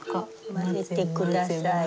混ぜて下さい。